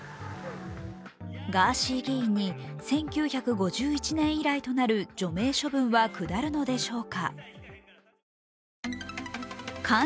ガーシー議員に、１９５１年以来となる除名処分は下るのでしょうか。